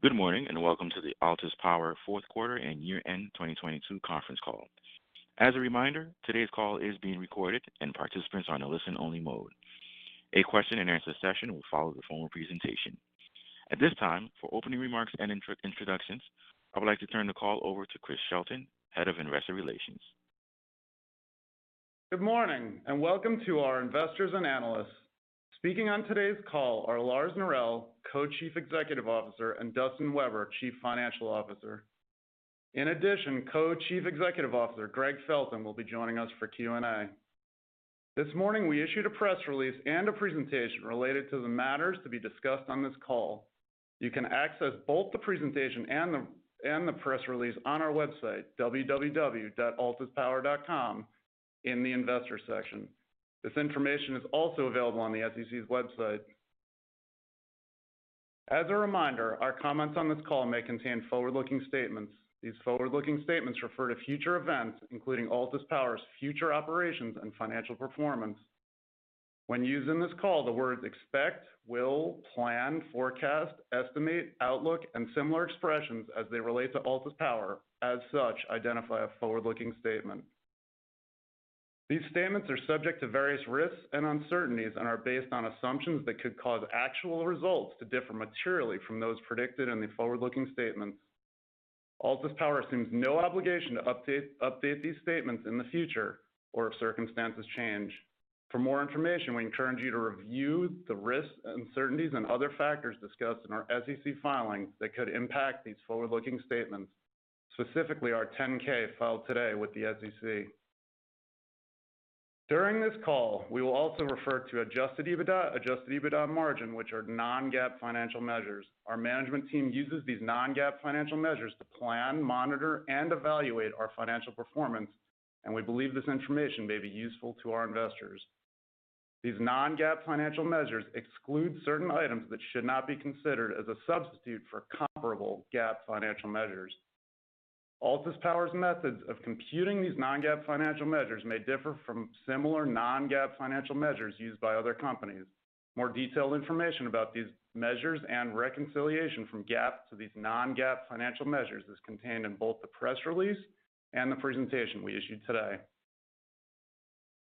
Good morning. Welcome to the Altus Power fourth quarter and year-end 2022 conference call. As a reminder, today's call is being recorded, and participants are in a listen-only mode. A question-and-answer session will follow the formal presentation. At this time, for opening remarks and introductions, I would like to turn the call over to Chris Shelton, Head of Investor Relations. Good morning, welcome to our investors and analysts. Speaking on today's call are Lars Norell, Co-Chief Executive Officer, and Dustin Weber, Chief Financial Officer. In addition, Co-Chief Executive Officer Gregg Felton will be joining us for Q&A. This morning, we issued a press release and a presentation related to the matters to be discussed on this call. You can access both the presentation and the press release on our website, www.altuspower.com, in the investor section. This information is also available on the SEC's website. As a reminder, our comments on this call may contain forward-looking statements. These forward-looking statements refer to future events, including Altus Power's future operations and financial performance. When used in this call, the words expect, will, plan, forecast, estimate, outlook, and similar expressions as they relate to Altus Power, as such identify a forward-looking statement. These statements are subject to various risks and uncertainties and are based on assumptions that could cause actual results to differ materially from those predicted in the forward-looking statements. Altus Power assumes no obligation to update these statements in the future or if circumstances change. For more information, we encourage you to review the risks, uncertainties, and other factors discussed in our SEC filings that could impact these forward-looking statements, specifically our 10-K filed today with the SEC. During this call, we will also refer to Adjusted EBITDA, Adjusted EBITDA margin, which are non-GAAP financial measures. Our management team uses these non-GAAP financial measures to plan, monitor, and evaluate our financial performance. We believe this information may be useful to our investors. These non-GAAP financial measures exclude certain items that should not be considered as a substitute for comparable GAAP financial measures. Altus Power's methods of computing these non-GAAP financial measures may differ from similar non-GAAP financial measures used by other companies. More detailed information about these measures and reconciliation from GAAP to these non-GAAP financial measures is contained in both the press release and the presentation we issued today.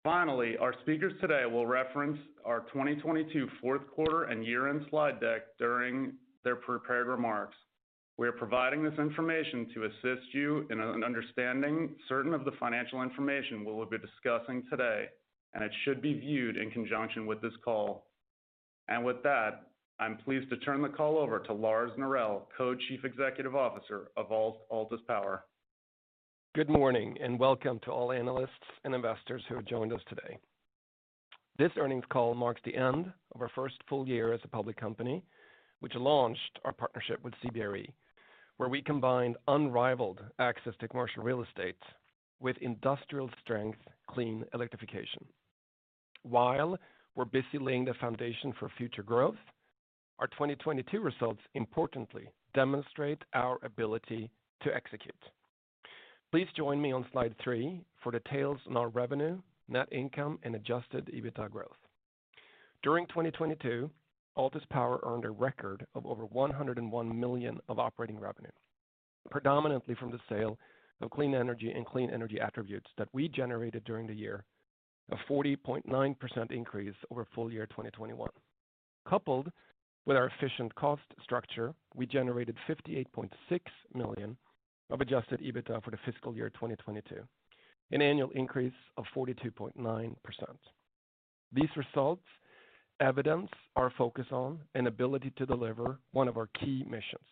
Finally, our speakers today will reference our 2022 fourth quarter and year-end slide deck during their prepared remarks. We are providing this information to assist you in understanding certain of the financial information we will be discussing today, and it should be viewed in conjunction with this call. With that, I'm pleased to turn the call over to Lars Norell, Co-Chief Executive Officer of Altus Power. Good morning, welcome to all analysts and investors who have joined us today. This earnings call marks the end of our first full year as a public company, which launched our partnership with CBRE, where we combined unrivaled access to commercial real estate with industrial-strength clean electrification. While we're busy laying the foundation for future growth, our 2022 results importantly demonstrate our ability to execute. Please join me on slide 3 for details on our revenue, net income, and Adjusted EBITDA growth. During 2022, Altus Power earned a record of over $101 million of operating revenue, predominantly from the sale of clean energy and clean energy attributes that we generated during the year, a 40.9% increase over full-year 2021. Coupled with our efficient cost structure, we generated $58.6 million of Adjusted EBITDA for the fiscal year 2022, an annual increase of 42.9%. These results evidence our focus on and ability to deliver one of our key missions,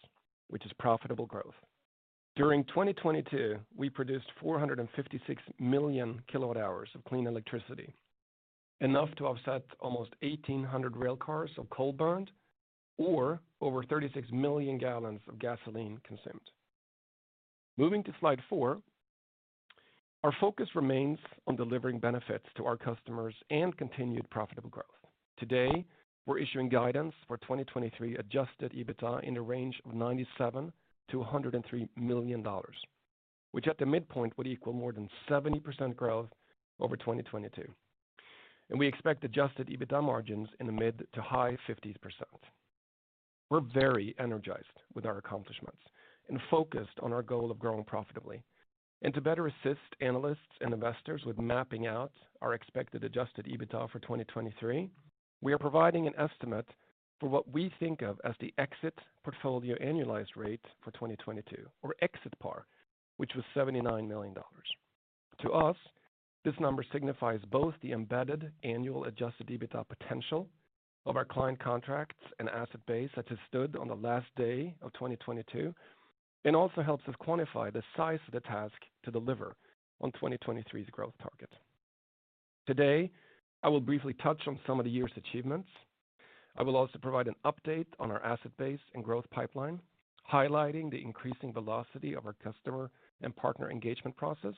which is profitable growth. During 2022, we produced 456 million kilowatt-hours of clean electricity, enough to offset almost 1,800 rail cars of coal burned or over 36 million gallons of gasoline consumed. Moving to slide four, our focus remains on delivering benefits to our customers and continued profitable growth. Today, we're issuing guidance for 2023 Adjusted EBITDA in a range of $97 million-$103 million, which at the midpoint would equal more than 70% growth over 2022. We expect Adjusted EBITDA margins in the mid to high 50s%. We're very energized with our accomplishments and focused on our goal of growing profitably. To better assist analysts and investors with mapping out our expected Adjusted EBITDA for 2023, we are providing an estimate for what we think of as the Exit Portfolio Annualized Rate for 2022, or Exit PAR, which was $79 million. To us, this number signifies both the embedded annual Adjusted EBITDA potential of our client contracts and asset base that has stood on the last day of 2022, and also helps us quantify the size of the task to deliver on 2023's growth target. Today, I will briefly touch on some of the year's achievements. I will also provide an update on our asset base and growth pipeline, highlighting the increasing velocity of our customer and partner engagement process,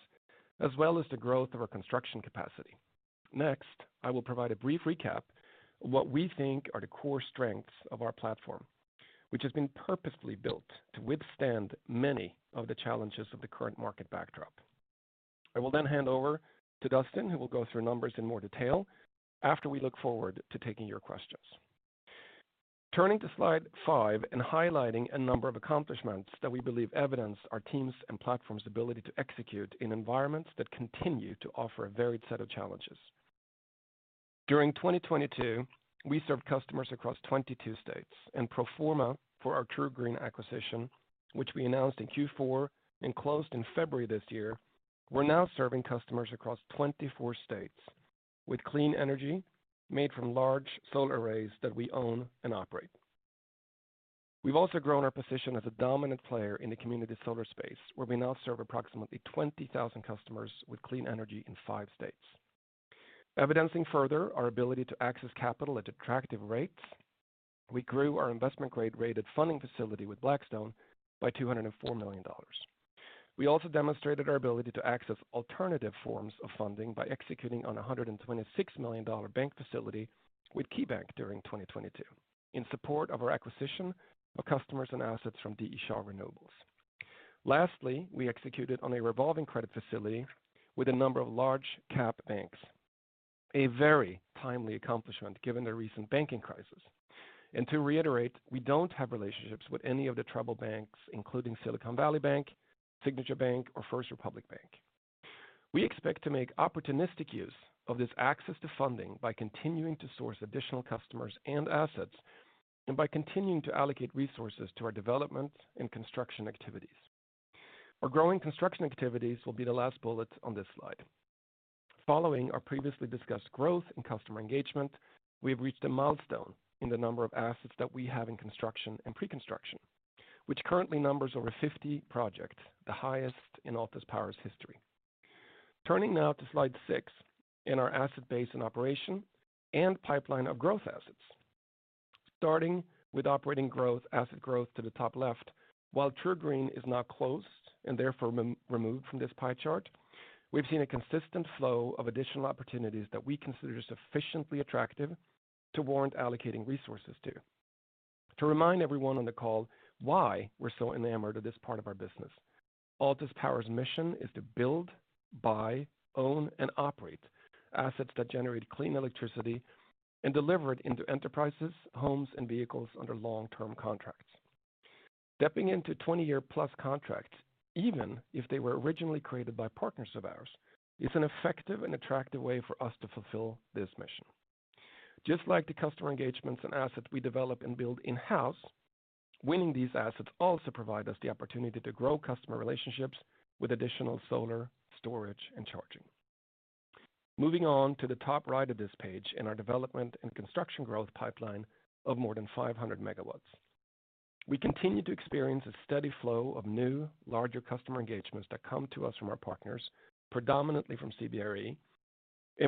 as well as the growth of our construction capacity. I will provide a brief recap of what we think are the core strengths of our platform, which has been purposefully built to withstand many of the challenges of the current market backdrop. I will hand over to Dustin, who will go through the numbers in more detail after we look forward to taking your questions. Turning to slide five and highlighting a number of accomplishments that we believe evidence our team's and platforms' ability to execute in environments that continue to offer a varied set of challenges. During 2022, we served customers across 22 states, and pro forma for our True Green acquisition, which we announced in Q4 and closed in February this year, we're now serving customers across 24 states with clean energy made from large solar arrays that we own and operate. We've also grown our position as a dominant player in the community solar space, where we now serve approximately 20,000 customers with clean energy in five states. Evidencing further our ability to access capital at attractive rates, we grew our investment grade rated funding facility with Blackstone by $204 million. We also demonstrated our ability to access alternative forms of funding by executing on a $126 million bank facility with KeyBank during 2022 in support of our acquisition of customers and assets from D.E. Shaw Renewable Investments. Lastly, we executed on a revolving credit facility with a number of large cap banks, a very timely accomplishment given the recent banking crisis. To reiterate, we don't have relationships with any of the troubled banks, including Silicon Valley Bank, Signature Bank, or First Republic Bank. We expect to make opportunistic use of this access to funding by continuing to source additional customers and assets, by continuing to allocate resources to our development and construction activities. Our growing construction activities will be the last bullet on this slide. Following our previously discussed growth in customer engagement, we have reached a milestone in the number of assets that we have in construction and pre-construction, which currently numbers over 50 projects, the highest in Altus Power's history. Turning now to slide six in our asset base and operation and pipeline of growth assets, starting with operating growth, asset growth to the top left. While True Green is now closed and therefore removed from this pie chart, we've seen a consistent flow of additional opportunities that we consider sufficiently attractive to warrant allocating resources to. To remind everyone on the call why we're so enamored of this part of our business, Altus Power's mission is to build, buy, own, and operate assets that generate clean electricity and deliver it into enterprises, homes, and vehicles under long-term contracts. Stepping into 20-year-plus contracts, even if they were originally created by partners of ours, is an effective and attractive way for us to fulfill this mission. Just like the customer engagements and assets we develop and build in-house, winning these assets also provides us the opportunity to grow customer relationships with additional solar, storage, and charging. Moving on to the top right of this page in our development and construction growth pipeline of more than 500 megawatts. We continue to experience a steady flow of new, larger customer engagements that come to us from our partners, predominantly from CBRE.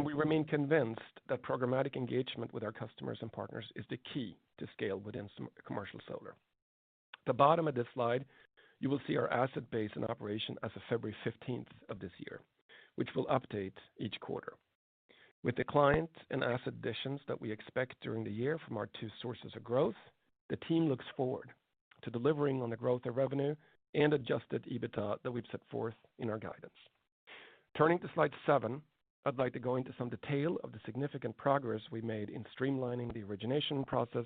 We remain convinced that programmatic engagement with our customers and partners is the key to scale within commercial solar. At the bottom of this slide, you will see our asset base in operation as of February 15th of this year, which we'll update each quarter. With the clients and asset additions that we expect during the year from our two sources of growth, the team looks forward to delivering on the growth of revenue and Adjusted EBITDA that we've set forth in our guidance. Turning to slide seven, I'd like to go into some detail of the significant progress we made in streamlining the origination process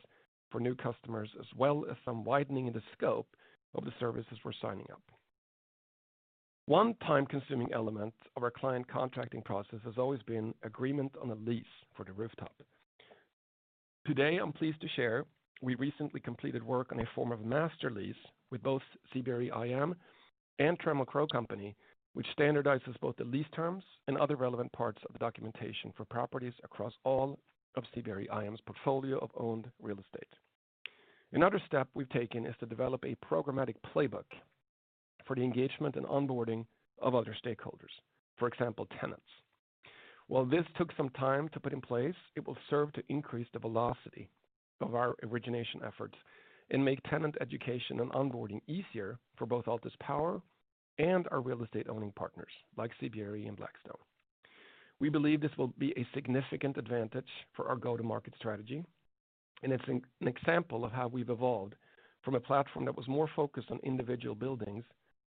for new customers, as well as some widening of the scope of the services we're signing up. One time-consuming element of our client contracting process has always been agreement on a lease for the rooftop. Today, I'm pleased to share we recently completed work on a form of master lease with both CBRE IM and Trammell Crow Company, which standardizes both the lease terms and other relevant parts of the documentation for properties across all of CBRE IM's portfolio of owned real estate. Another step we've taken is to develop a programmatic playbook for the engagement and onboarding of other stakeholders, for example, tenants. While this took some time to put in place, it will serve to increase the velocity of our origination efforts and make tenant education and onboarding easier for both Altus Power and our real estate owning partners like CBRE and Blackstone. We believe this will be a significant advantage for our go-to-market strategy. It's an example of how we've evolved from a platform that was more focused on individual buildings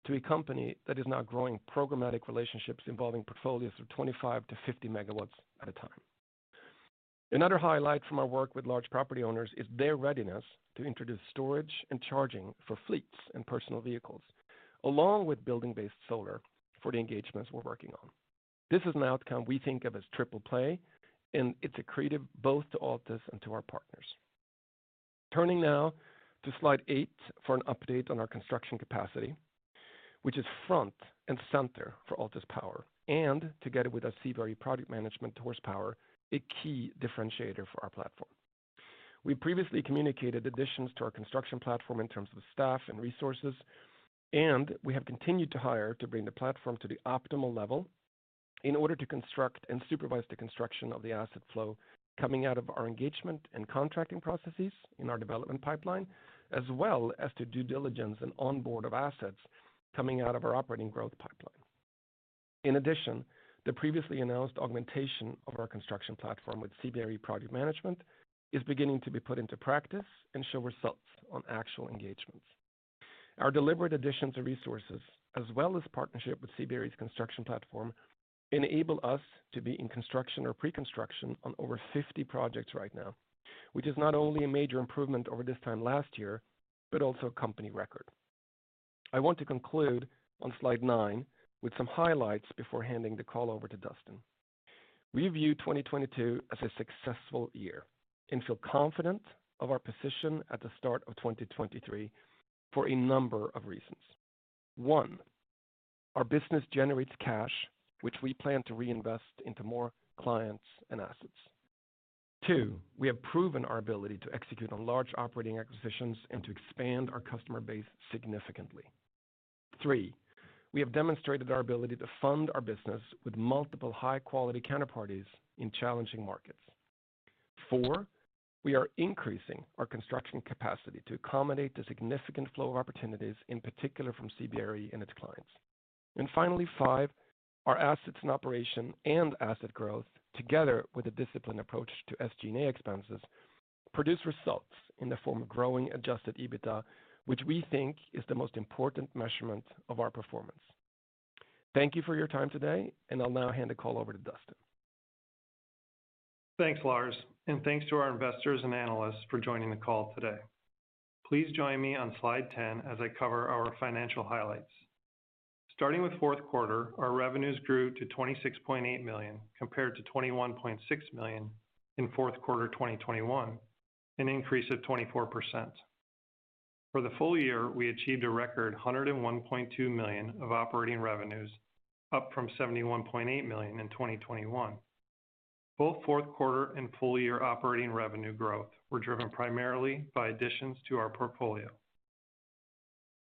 to a company that is now growing programmatic relationships involving portfolios of 25-50 MW at a time. Another highlight from our work with large property owners is their readiness to introduce storage and charging for fleets and personal vehicles, along with building-based solar for the engagements we're working on. This is an outcome we think of as triple play. It's accretive both to Altus and to our partners. Turning now to slide eight for an update on our construction capacity, which is front and center for Altus Power. Together with our CBRE Project Management horsepower, a key differentiator for our platform. We previously communicated additions to our construction platform in terms of staff and resources, and we have continued to hire to bring the platform to the optimal level in order to construct and supervise the construction of the asset flow coming out of our engagement and contracting processes in our development pipeline, as well as the due diligence and onboard of assets coming out of our operating growth pipeline. In addition, the previously announced augmentation of our construction platform with CBRE Project Management is beginning to be put into practice and show results on actual engagements. Our deliberate additions of resources, as well as partnership with CBRE's construction platform, enable us to be in construction or pre-construction on over 50 projects right now, which is not only a major improvement over this time last year, but also a company record. I want to conclude on slide nine with some highlights before handing the call over to Dustin. We view 2022 as a successful year and feel confident of our position at the start of 2023 for a number of reasons. One, our business generates cash, which we plan to reinvest into more clients and assets. Two, we have proven our ability to execute on large operating acquisitions and to expand our customer base significantly. Three, we have demonstrated our ability to fund our business with multiple high-quality counterparties in challenging markets. Four, we are increasing our construction capacity to accommodate the significant flow of opportunities, in particular from CBRE and its clients. Finally, five, our assets in operation and asset growth, together with a disciplined approach to SG&A expenses, produce results in the form of growing Adjusted EBITDA, which we think is the most important measurement of our performance. Thank you for your time today, and I'll now hand the call over to Dustin. Thanks, Lars. Thanks to our investors and analysts for joining the call today. Please join me on slide 10 as I cover our financial highlights. Starting with fourth quarter, our revenues grew to $26.8 million, compared to $21.6 million in fourth quarter 2021, an increase of 24%. For the full year, we achieved a record $101.2 million of operating revenues, up from $71.8 million in 2021. Both fourth quarter and full-year operating revenue growth were driven primarily by additions to our portfolio.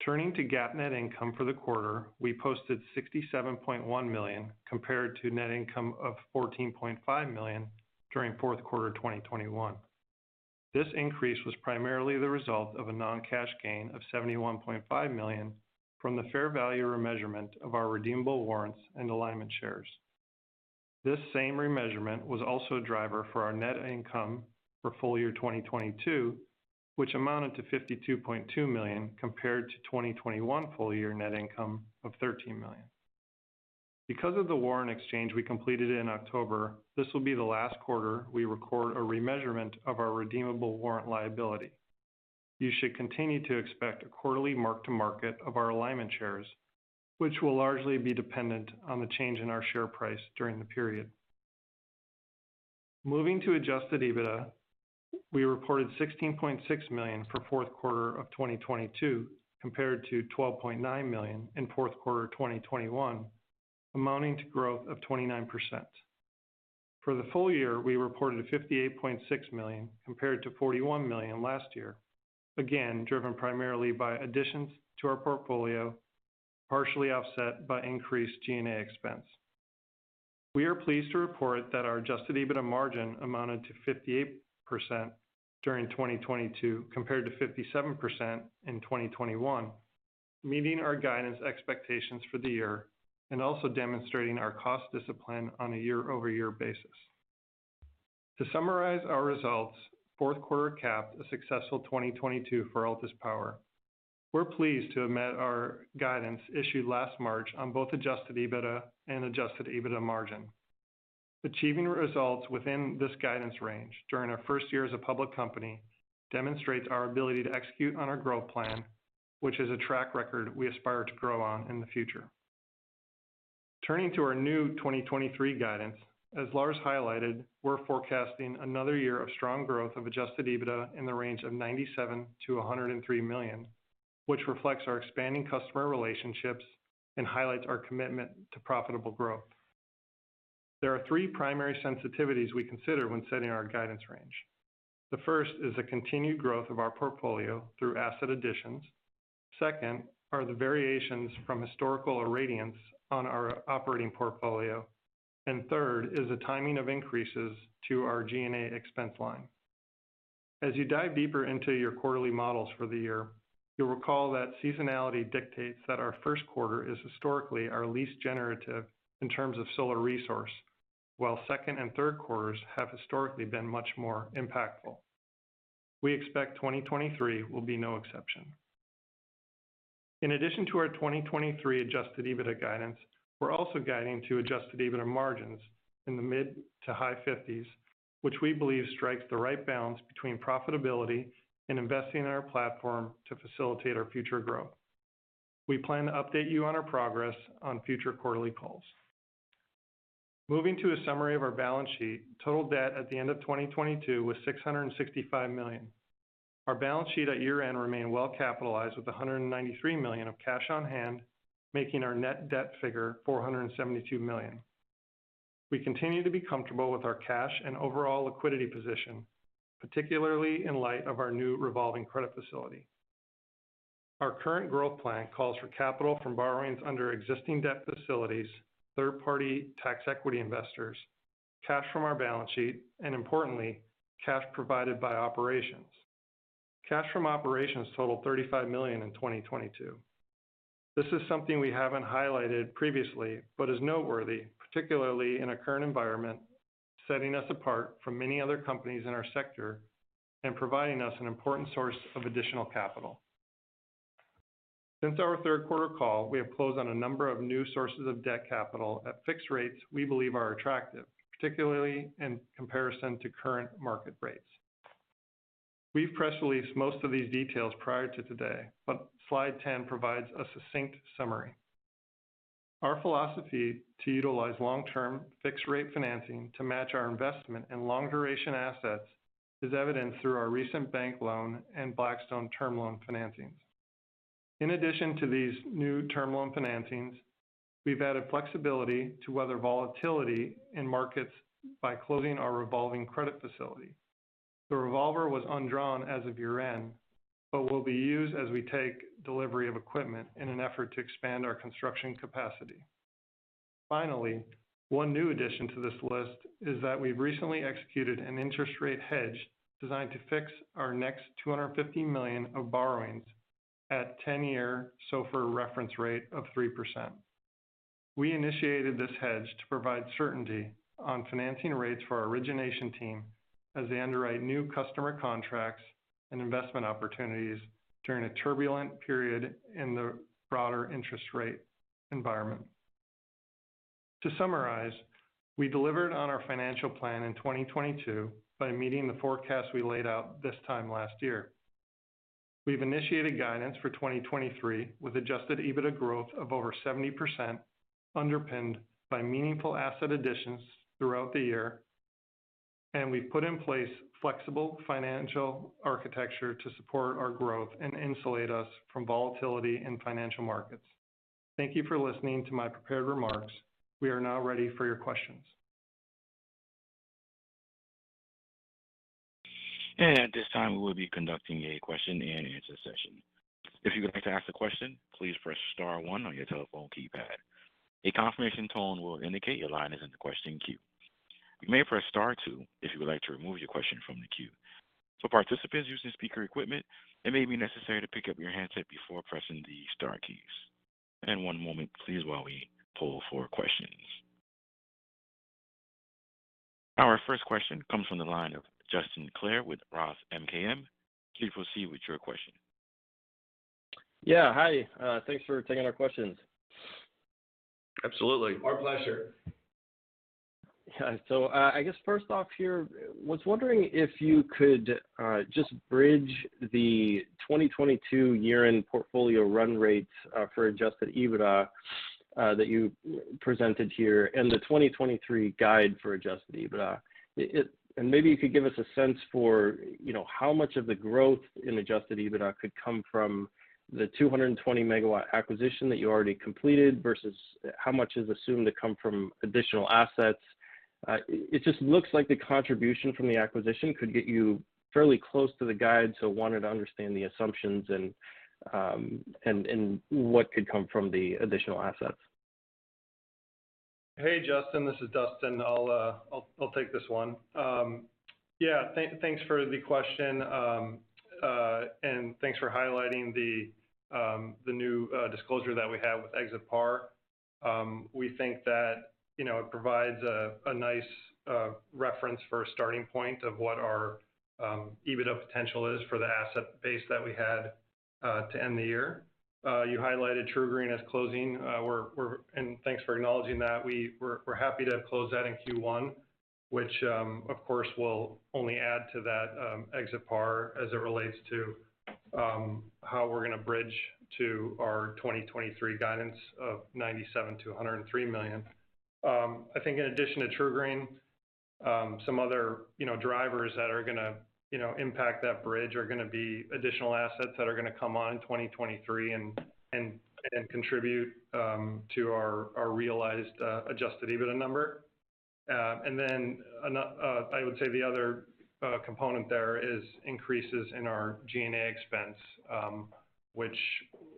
Turning to GAAP net income for the quarter, we posted $67.1 million, compared to net income of $14.5 million during fourth quarter 2021. This increase was primarily the result of a non-cash gain of $71.5 million from the fair value remeasurement of our redeemable warrants and alignment shares. This same remeasurement was also a driver for our net income for full year 2022, which amounted to $52.2 million, compared to 2021 full year net income of $13 million. Because of the warrant exchange we completed in October, this will be the last quarter we record a remeasurement of our redeemable warrant liability. You should continue to expect a quarterly mark-to-market of our alignment shares, which will largely be dependent on the change in our share price during the period. Moving to Adjusted EBITDA, we reported $16.6 million for fourth quarter of 2022, compared to $12.9 million in the fourth quarter of 2021, amounting to growth of 29%. For the full year, we reported $58.6 million, compared to $41 million last year, again, driven primarily by additions to our portfolio, partially offset by increased G&A expense. We are pleased to report that our Adjusted EBITDA margin amounted to 58% during 2022, compared to 57% in 2021, meeting our guidance expectations for the year and also demonstrating our cost discipline on a year-over-year basis. To summarize our results, the fourth quarter capped a successful 2022 for Altus Power. We're pleased to have met our guidance issued last March on both Adjusted EBITDA and Adjusted EBITDA margin. Achieving results within this guidance range during our first year as a public company demonstrates our ability to execute on our growth plan, which is a track record we aspire to grow on in the future. Turning to our new 2023 guidance, as Lars highlighted, we're forecasting another year of strong growth of Adjusted EBITDA in the range of $97 million-$103 million, which reflects our expanding customer relationships and highlights our commitment to profitable growth. There are three primary sensitivities we consider when setting our guidance range. The first is the continued growth of our portfolio through asset additions. Second are the variations from historical irradiance on our operating portfolio. Third is the timing of increases to our G&A expense line. As you dive deeper into your quarterly models for the year, you'll recall that seasonality dictates that our first quarter is historically our least generative in terms of solar resource, while second and third quarters have historically been much more impactful. We expect 2023 will be no exception. In addition to our 2023 Adjusted EBITDA guidance, we're also guiding to Adjusted EBITDA margins in the mid to high fifties, which we believe strikes the right balance between profitability and investing in our platform to facilitate our future growth. We plan to update you on our progress on future quarterly calls. Moving to a summary of our balance sheet, total debt at the end of 2022 was $665 million. Our balance sheet at year-end remained well-capitalized with $193 million of cash on hand, making our net debt figure $472 million. We continue to be comfortable with our cash and overall liquidity position, particularly in light of our new revolving credit facility. Our current growth plan calls for capital from borrowings under existing debt facilities, third-party tax equity investors, cash from our balance sheet, and importantly, cash provided by operations. Cash from operations totaled $35 million in 2022. This is something we haven't highlighted previously, but is noteworthy, particularly in our current environment, setting us apart from many other companies in our sector and providing us an important source of additional capital. Since our third quarter call, we have closed on a number of new sources of debt capital at fixed rates we believe are attractive, particularly in comparison to current market rates. We've press released most of these details prior to today, but slide 10 provides a succinct summary. Our philosophy to utilize long-term fixed rate financing to match our investment in long-duration assets is evidenced through our recent bank loan and Blackstone term loan financings. In addition to these new term loan financings, we've added flexibility to weather volatility in markets by closing our revolving credit facility. The revolver was undrawn as of year-end, will be used as we take delivery of equipment in an effort to expand our construction capacity. Finally, one new addition to this list is that we've recently executed an interest rate hedge designed to fix our next $250 million of borrowings at the 10-year SOFR reference rate of 3%. We initiated this hedge to provide certainty on financing rates for our origination team as they underwrite new customer contracts and investment opportunities during a turbulent period in the broader interest rate environment. To summarize, we delivered on our financial plan in 2022 by meeting the forecast we laid out this time last year. We've initiated guidance for 2023, with Adjusted EBITDA growth of over 70%, underpinned by meaningful asset additions throughout the year, and we've put in place flexible financial architecture to support our growth and insulate us from volatility in financial markets. Thank you for listening to my prepared remarks. We are now ready for your questions. At this time, we will be conducting a question-and-answer session. If you would like to ask a question, please press star one on your telephone keypad. A confirmation tone will indicate your line is in the question queue. You may press star two if you would like to remove your question from the queue. For participants using speaker equipment, it may be necessary to pick up your handset before pressing the star keys. One moment please while we poll for questions. Our first question comes from the line of Justin Clare with Roth MKM. Please proceed with your question. Yeah, hi. Thanks for taking our questions. Absolutely. Our pleasure. I guess first off here, was wondering if you could just bridge the 2022 year-end portfolio run rates for Adjusted EBITDA that you presented here and the 2023 guide for Adjusted EBITDA. Maybe you could give us a sense for, you know, how much of the growth in Adjusted EBITDA could come from the 220 MW acquisition that you already completed, versus how much is assumed to come from additional assets. It just looks like the contribution from the acquisition could get you fairly close to the guide, so wanted to understand the assumptions and what could come from the additional assets. Hey, Justin, this is Dustin. I'll take this one. Yeah, thanks for the question, and thanks for highlighting the new disclosure that we have with Exit PAR. We think that, you know, it provides a nice reference for a starting point of what our EBITDA potential is for the asset base that we had to end the year. You highlighted True Green as closing. Thanks for acknowledging that. We're happy to have closed that in Q1, which, of course, will only add to that Exit PAR as it relates to how we're gonna bridge to our 2023 guidance of $97 million-$103 million. I think in addition to True Green, some other, you know, drivers that are gonna, you know, impact that bridge are gonna be additional assets that are gonna come on in 2023 and contribute to our realized, Adjusted EBITDA number. I would say the other component there is increases in our G&A expense, which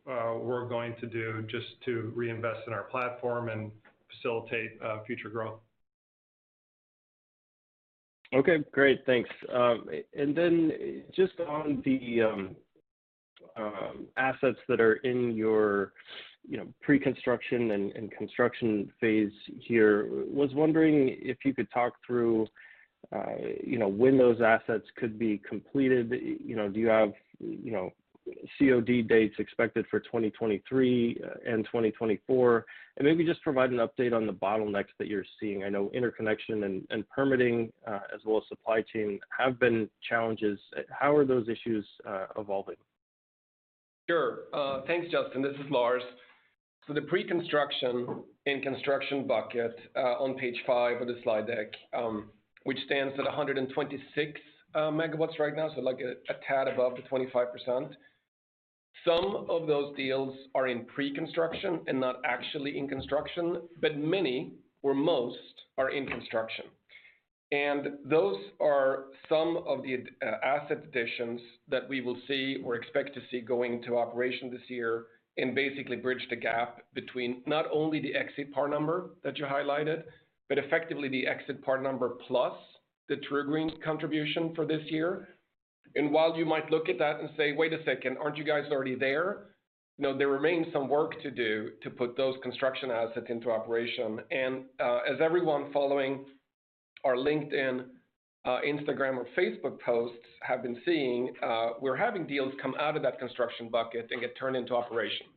we're going to do just to reinvest in our platform and facilitate future growth. Okay, great. Thanks. Just on the assets that are in your, you know, pre-construction and construction phase here, was wondering if you could talk through, you know, when those assets could be completed? You know, do you have, you know, COD dates expected for 2023 and 2024? Maybe just provide an update on the bottlenecks that you're seeing? I know interconnection and permitting, as well as supply chain, have been challenges. How are those issues evolving? Sure. Thanks, Justin. This is Lars. The pre-construction and construction bucket on page five of the slide deck, which stands at 126 MW right now, a tad above the 25%, some of those deals are in pre-construction and not actually in construction, but many or most are in construction. Those are some of the asset additions that we will see or expect to see going to operation this year and basically bridge the gap between not only the Exit PAR number that you highlighted, but effectively the Exit PAR number plus the True Green's contribution for this year. While you might look at that and say, "Wait a second, aren't you guys already there?" No, there remains some work to do to put those construction assets into operation. As everyone following our LinkedIn, Instagram, or Facebook posts has been seeing, we're having deals come out of that construction bucket and get turned into operations.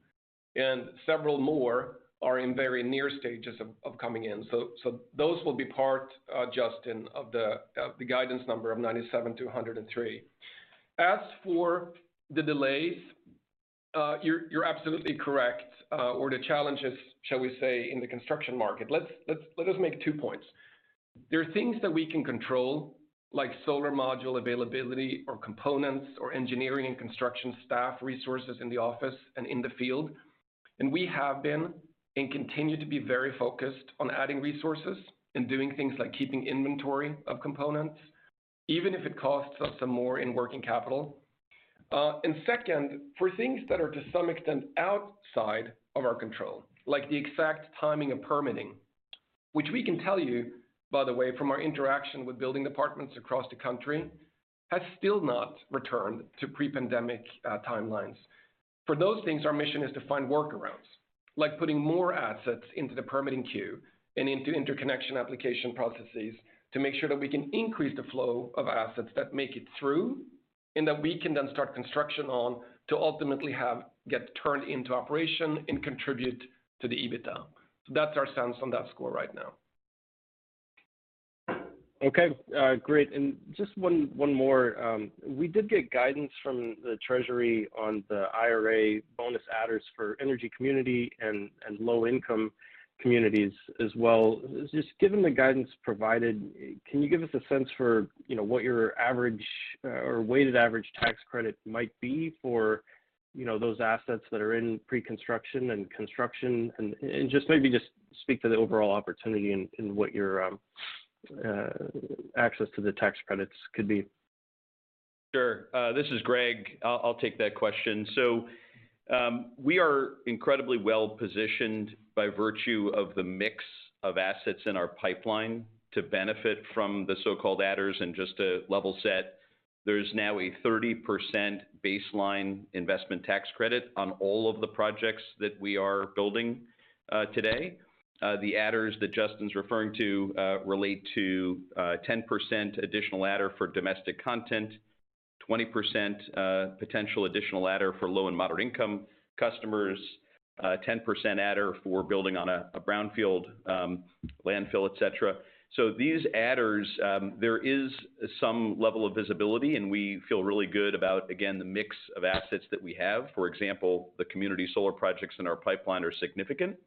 Several more are in very near stages of coming in. Those will be part, Justin, of the guidance number of 97-103. As for the delays, you're absolutely correct. Or the challenges, shall we say, in the construction market. Let us make two points. There are things that we can control, like solar module availability or components or engineering and construction staff resources in the office and in the field, and we have been and continue to be very focused on adding resources and doing things like keeping inventory of components, even if it costs us some more in working capital. Second, for things that are to some extent outside of our control, like the exact timing of permitting, which we can tell you, by the way, from our interaction with building departments across the country, has still not returned to pre-pandemic timelines. For those things, our mission is to find workarounds, like putting more assets into the permitting queue and into interconnection application processes to make sure that we can increase the flow of assets that make it through, and that we can then start construction on to ultimately have get turned into operations and contribute to the EBITDA. That's our stance on that score right now. Okay. Great. Just one more. We did get guidance from the Treasury on the IRA bonus adders for the energy community and low-income communities as well. Just given the guidance provided, can you give us a sense for, you know, what your average or weighted average tax credit might be for, you know, those assets that are in pre-construction and construction? Just maybe speak to the overall opportunity and what your access to the tax credits could be. Sure. This is Gregg Felton. I'll take that question. We are incredibly well-positioned by virtue of the mix of assets in our pipeline to benefit from the so-called adders. Just to level set, there's now a 30% baseline investment tax credit on all of the projects that we are building today. The adders that Justin referring to relate to 10% additional adder for domestic content, 20% potential additional adder for low and moderate-income customers, 10% adder for building on a brownfield, landfill, et cetera. These adders, there is some level of visibility, and we feel really good about, again, the mix of assets that we have. For example, the community solar projects in our pipeline are significant.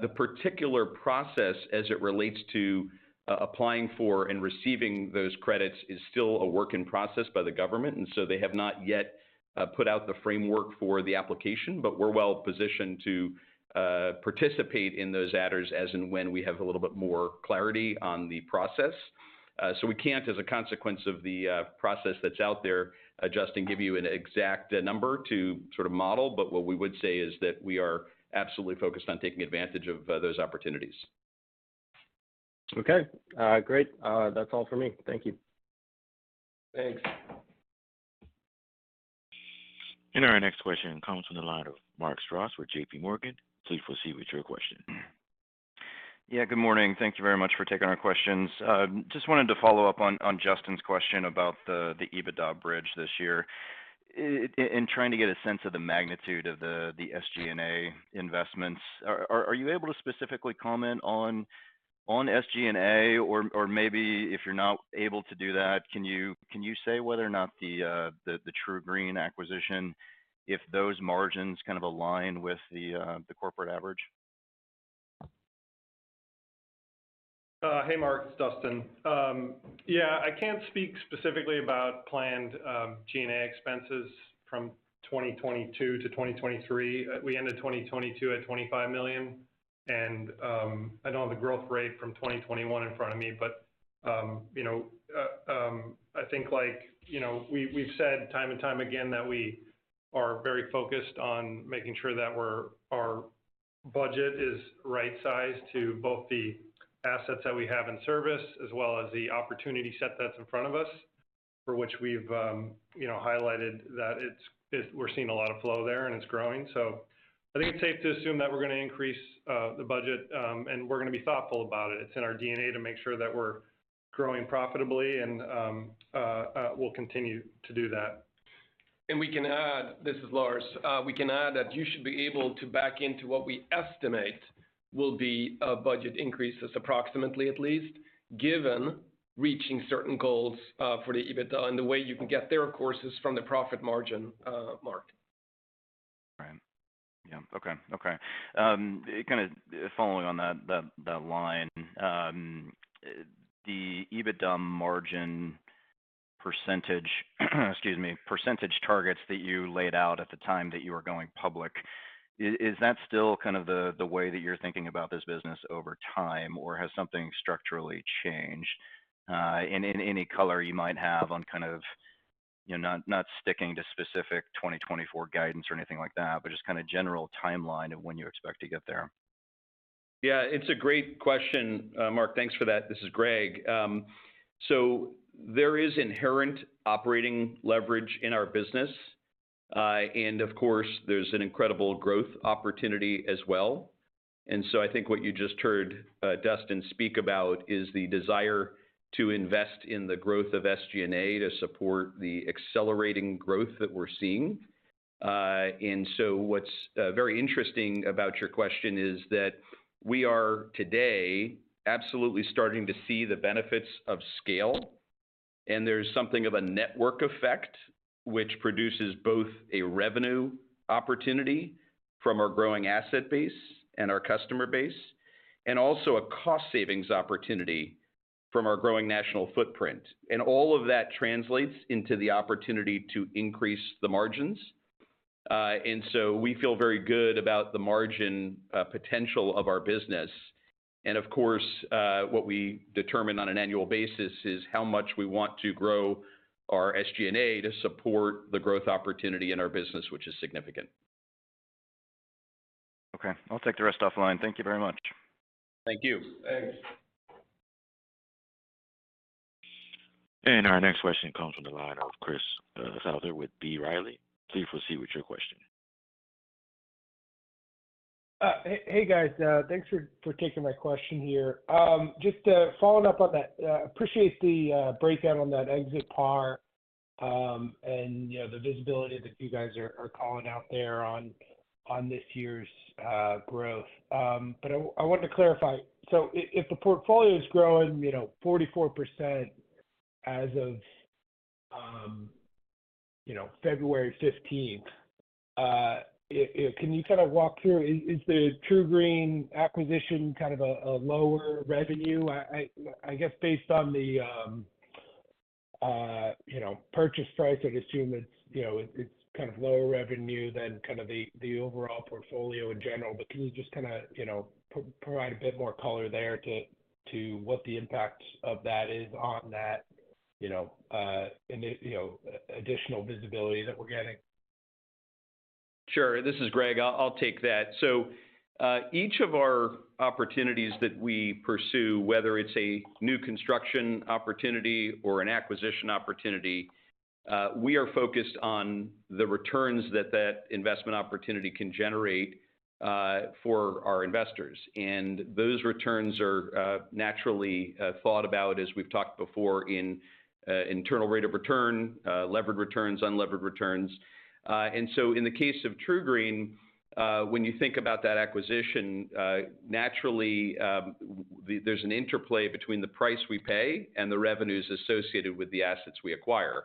The particular process as it relates to applying for and receiving those credits, is still a work in process by the government, and so they have not yet put out the framework for the application. We're well-positioned to participate in those adders as and when we have a little bit more clarity on the process. We can't, as a consequence of the process that's out there, Justin, give you an exact number to sort of model, but what we would say is that we are absolutely focused on taking advantage of those opportunities. Okay. Great. That's all for me. Thank you. Thanks. Our next question comes from the line of Mark Strouse with JPMorgan. Please proceed with your question. Yeah, good morning. Thank you very much for taking our questions. Just wanted to follow up on Justin's question about the EBITDA bridge this year. In trying to get a sense of the magnitude of the SG&A investments, are you able to specifically comment on SG&A? Or maybe if you're not able to do that, can you say whether or not the True Green acquisition, if those margins kind of align with the corporate average? Hey, Mark, it's Dustin. Yeah, I can't speak specifically about planned G&A expenses from 2022 to 2023. We ended 2022 at $25 million. I don't have the growth rate from 2021 in front of me, but, you know, I think, like, you know, we've said time and time again that we are very focused on making sure that our budget is right sized to both the assets that we have in service, as well as the opportunity set that's in front of us, for which we've, you know, highlighted that we're seeing a lot of flow there, and it's growing. I think it's safe to assume that we're gonna increase the budget, and we're gonna be thoughtful about it. It's in our DNA to make sure that we're growing profitably and we'll continue to do that. We can add, this is Lars, we can add that you should be able to back into what we estimate will be, budget increases, approximately at least, given reaching certain goals, for the EBITDA. The way you can get there, of course, is from the profit margin, Mark. Right. Yeah. Okay. Okay. Kind of following on that line, the EBITDA margin %, excuse me, % targets that you laid out at the time that you were going public, is that still kind of the way that you're thinking about this business over time, or has something structurally changed? and any color you might have on kind of, you know, not sticking to specific 2024 guidance or anything like that, but just kind of a general timeline of when you expect to get there. Yeah, it's a great question, Mark. Thanks for that. This is Gregg. There is inherent operating leverage in our business, and of course, there's an incredible growth opportunity as well. I think what you just heard, Dustin speak about is the desire to invest in the growth of SG&A to support the accelerating growth that we're seeing. What's very interesting about your question is that we are today absolutely starting to see the benefits of scale, and there's something of a network effect which produces both a revenue opportunity from our growing asset base and our customer base, and also a cost savings opportunity from our growing national footprint. All of that translates into the opportunity to increase the margins. We feel very good about the margin potential of our business. Of course, what we determine on an annual basis is how much we want to grow our SG&A to support the growth opportunity in our business, which is significant. Okay. I'll take the rest offline. Thank you very much. Thank you. Thanks. Our next question comes from the line of Chris Souther with B. Riley. Please proceed with your question. Hey, guys. Thanks for taking my question here. Just, following up on that, appreciate the breakdown on that Exit PAR, and you know, the visibility that you guys are calling out there on this year's growth. I wanted to clarify. If the portfolio's growing, you know, 44% as of, you know, February 15th, can you kind of walk through is the True Green acquisition is kind of a lower revenue? I guess based on the, you know, purchase price, I'd assume it's, you know, kind of lower revenue than kind of the overall portfolio in general. Can you just kinda, you know, provide a bit more color there to what the impact of that is on that, you know, additional visibility that we're getting? Sure. This is Gregg, I'll take that. Each of our opportunities that we pursue, whether it's a new construction opportunity or an acquisition opportunity, we are focused on the returns that that investment opportunity can generate for our investors. Those returns are naturally thought about, as we've talked before in internal rate of return, levered returns, unlevered returns. In the case of True Green, when you think about that acquisition, naturally, there's an interplay between the price we pay and the revenues associated with the assets we acquire.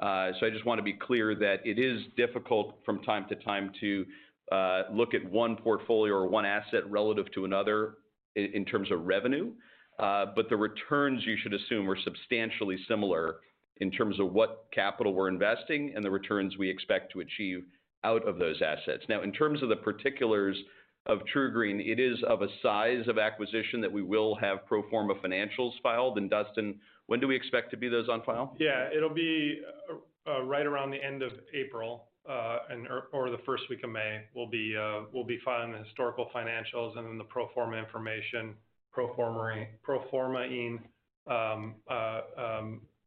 I just wanna be clear that it is difficult from time to time to look at one portfolio or one asset relative to another in terms of revenue. The returns, you should assume, are substantially similar in terms of what capital we're investing and the returns we expect to achieve out of those assets. In terms of the particulars of True Green, it is of a size of acquisition that we will have pro forma financials filed. Dustin, when do we expect to be those on file? Yeah. It'll be right around the end of April, and or the first week of May, we'll be filing the historical financials and then the pro forma information, pro forma-ing,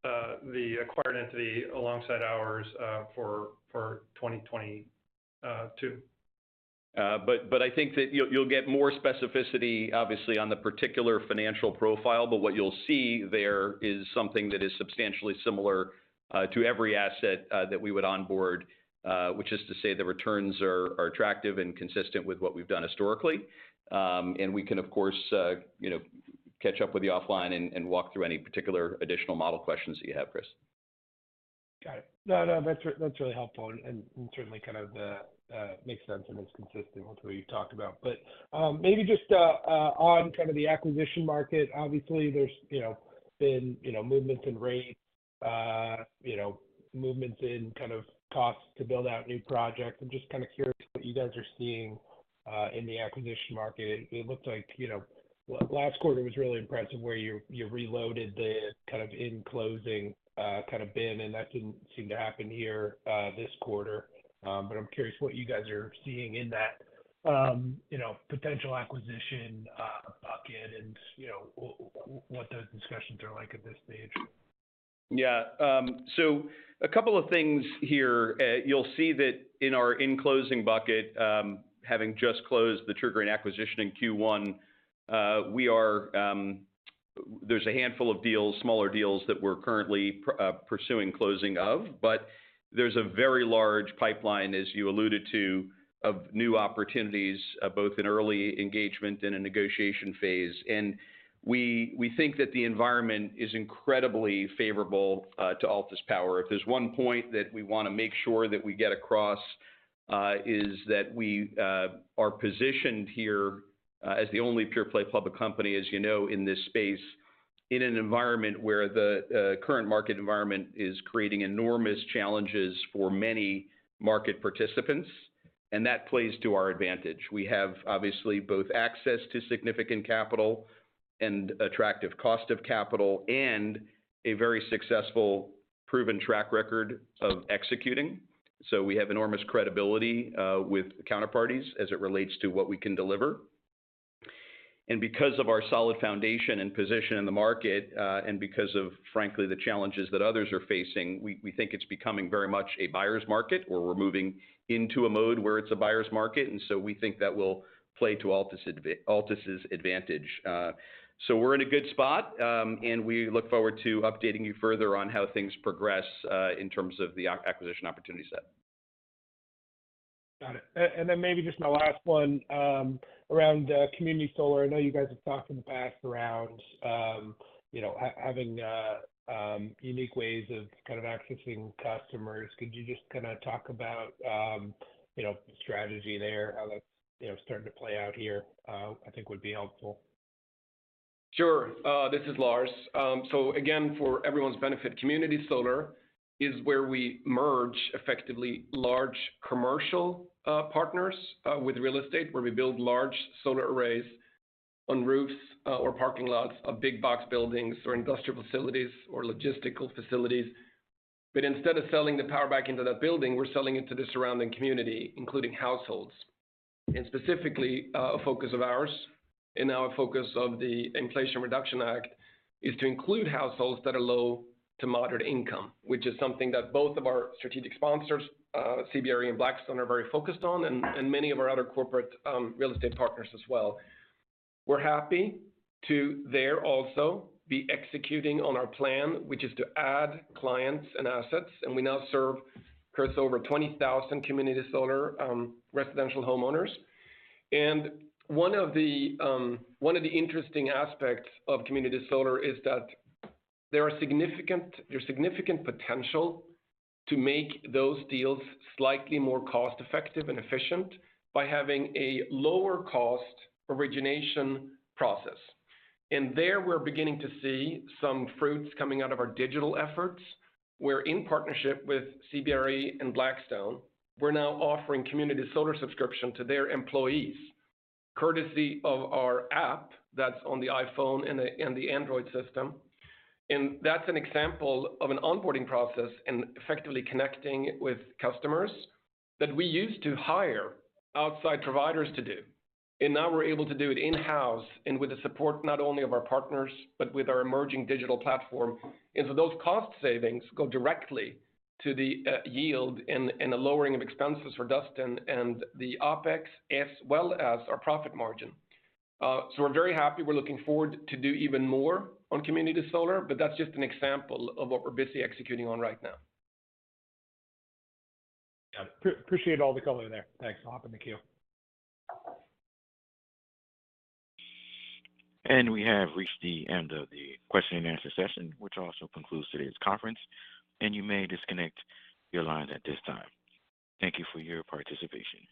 the acquired entity alongside ours for 2022. But I think that you'll get more specificity, obviously, on the particular financial profile. What you'll see there is something that is substantially similar to every asset that we would onboard. Which is to say the returns are attractive and consistent with what we've done historically. And we can, of course, you know, catch up with you offline and walk through any particular additional model questions that you have, Chris. Got it. No, that's really helpful and certainly kind of makes sense and is consistent with what you've talked about. Maybe just on the kind of acquisition market, obviously there's, you know, been, you know, movements in rates, movements in kind of costs to build out new projects. I'm just kind of curious what you guys are seeing in the acquisition market. It looks like, you know, last quarter was really impressive where you reloaded the kind of in-closing kind of bin, and that didn't seem to happen here this quarter. I'm curious what you guys are seeing in that, you know, potential acquisition bucket and, you know, what those discussions are like at this stage. A couple of things here. You'll see that in our in-closing bucket, having just closed the True Green acquisition in Q1, we are, there's a handful of deals, smaller deals that we're currently pursuing closing of. There's a very large pipeline, as you alluded to, of new opportunities, both in early engagement and in the negotiation phase. We, we think that the environment is incredibly favorable to Altus Power. If there's one point that we wanna make sure that we get across, is that we are positioned here as the only pure play public company, as you know, in this space, in an environment where the current market environment is creating enormous challenges for many market participants, and that plays to our advantage. We have, obviously, both access to significant capital and an attractive cost of capital, and a very successful, proven track record of executing. We have enormous credibility with counterparties as it relates to what we can deliver. Because of our solid foundation and position in the market, and because of, frankly, the challenges that others are facing, we think it's becoming very much a buyer's market, or we're moving into a mode where it's a buyer's market. We think that will play to Altus's advantage. We're in a good spot, and we look forward to updating you further on how things progress in terms of the acquisition opportunity set. Got it. And then maybe just my last one, around community solar. I know you guys have talked in the past around, you know, having unique ways of kind of accessing customers. Could you just kinda talk about, you know, strategy there, how that's, you know, starting to play out here, I think would be helpful. Sure. This is Lars. Again, for everyone's benefit, community solar is where we merge effectively large commercial partners with real estate, where we build large solar arrays on roofs or parking lots of big box buildings or industrial facilities or logistical facilities. Instead of selling the power back into that building, we're selling it to the surrounding community, including households. Specifically, a focus of ours and our focus of the Inflation Reduction Act is to include households that are low to moderate income, which is something that both of our strategic sponsors, CBRE and Blackstone, are very focused on, and many of our other corporate real estate partners as well. We're happy to there also be executing on our plan, which is to add clients and assets, we now serve course over 20,000 community solar residential homeowners. One of the interesting aspects of community solar is that there's significant potential to make those deals slightly more cost-effective and efficient by having a lower cost origination process. There we're beginning to see some fruits coming out of our digital efforts, where in partnership with CBRE and Blackstone, we're now offering community solar subscription to their employees, courtesy of our app that's on the iPhone and the Android system. That's an example of an onboarding process and effectively connecting with customers that we used to hire outside providers to do, and now we're able to do it in-house and with the support not only of our partners, but with our emerging digital platform. Those cost savings go directly to the yield and the lowering of expenses for Dustin and the OpEx, as well as our profit margin. We're very happy. We're looking forward to do even more on community solar, that's just an example of what we're busy executing on right now. Yeah. Appreciate all the color there. Thanks. I'll hop in the queue. We have reached the end of the question-and-answer session, which also concludes today's conference, and you may disconnect your lines at this time. Thank you for your participation.